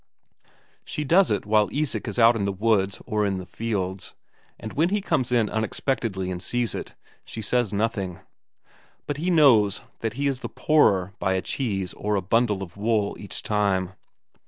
She does it while Isak is out in the woods or in the fields, and when he comes in unexpectedly and sees it, she says nothing. But he knows that he is the poorer by a cheese or a bundle of wool each time.